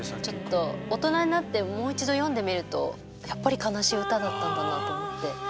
ちょっと大人になってもう一度読んでみるとやっぱり悲しい歌だったんだなと思って。